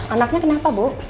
anaknya kenapa bu